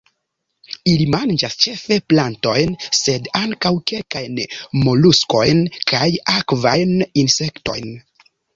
Ili manĝas ĉefe plantojn, sed ankaŭ kelkajn moluskojn kaj akvajn insektojn.